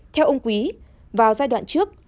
theo ông quý vào giai đoạn trước